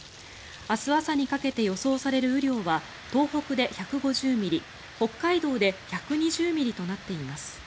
明日朝にかけて予想される雨量は東北で１５０ミリ、北海道で１２０ミリとなっています。